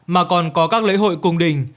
mà còn có các lễ hội cung đình